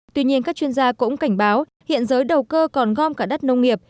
tuy nhiên các chuyên gia cũng cảnh báo hiện giới đầu cơ còn gom cả đất nông nghiệp